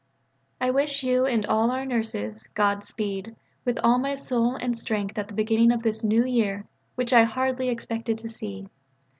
I wish you and all our Nurses "God Speed" with all my soul and strength at the beginning of this New Year which I hardly expected to see.